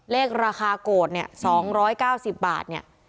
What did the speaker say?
เลขราคาโกรธเนี่ย๒๙๐บาทเนี่ย